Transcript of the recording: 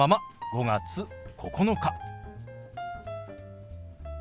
５月９日。